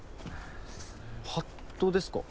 ハットですか？